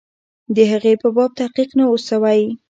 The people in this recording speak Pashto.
د هغې په باب تحقیق نه وو سوی.